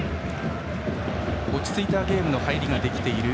落ち着いたゲームの入りができている